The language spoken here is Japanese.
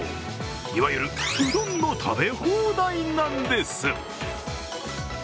いわゆる、うどんの食べ放題なんです。